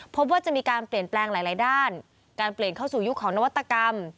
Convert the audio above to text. พบว่าจะมีการเปลี่ยนแปลงหลายด้านการเปลี่ยนเข้าสู่ยุคของนวัตกรรม